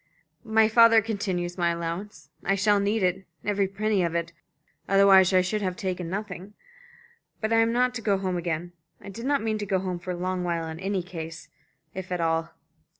"My father continues my allowance. I shall need it, every penny of it otherwise I should have taken nothing. But I am not to go home again. I did not mean to go home for a long while in any case, if at all."